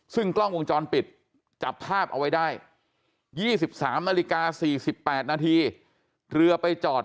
ซึ่งกล้องวงจรปิดจับภาพเอาไว้ได้๒๓นาฬิกา๔๘นาทีเรือไปจอด